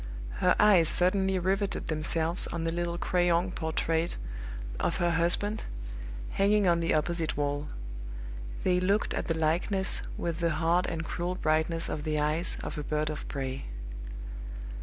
Her eyes suddenly riveted themselves on a little crayon portrait of her husband hanging on the opposite wall; they looked at the likeness with the hard and cruel brightness of the eyes of a bird of prey.